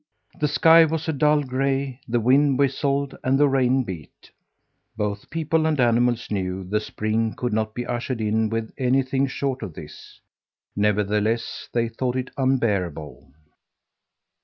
The sky was a dull gray, the wind whistled, and the rain beat. Both people and animals knew the spring could not be ushered in with anything short of this; nevertheless they thought it unbearable.